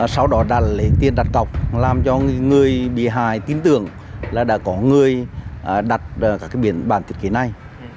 sau đó đã lấy tiền đặt cọc làm cho người bìa hài tin tưởng là đã có người đặt các cái bản thiết kế này